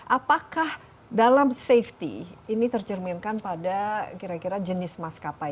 apakah dalam safety ini tercerminkan pada kira kira jenis maskapai